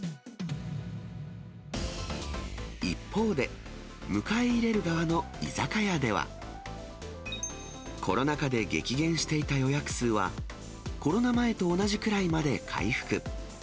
一方で、迎え入れる側の居酒屋では、コロナ禍で激減していた予約数は、コロナ前と同じくらいまで回復。